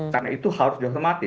karena itu harus dihormati